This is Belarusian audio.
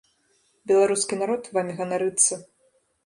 Беларускі народ вамі ганарыцца.